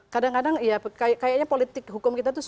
kadang kadang ya kayaknya politik hukum kita tuh ya